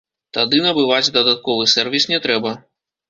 Тады набываць дадатковы сэрвіс не трэба.